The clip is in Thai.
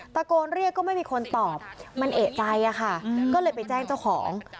ตะโกนเรียกก็ไม่มีคนตอบมันเอกใจอะค่ะก็เลยไปแจ้งเจ้าของ